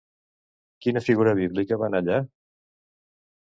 Quina figura bíblica va anar allà?